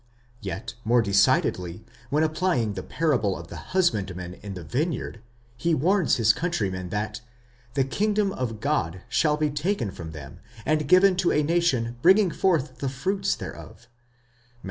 Yet more decidedly, when applying the parable of the husbandmen in the vineyard, he warns his countrymen that the kingdom of God shall be taken from them, and given to a nation bringing forth the fruits thereof (Matt.